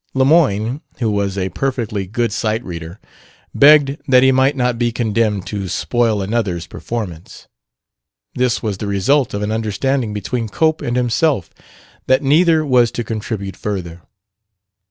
Lemoyne (who was a perfectly good sight reader) begged that he might not be condemned to spoil another's performance. This was the result of an understanding between Cope and himself that neither was to contribute further.